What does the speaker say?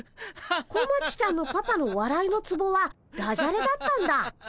小町ちゃんのパパのわらいのツボはダジャレだったんだ。